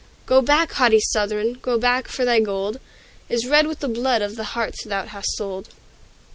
Go back, haughty Southron! Go back! for thy gold Is red with the blood of the hearts thou hast sold!"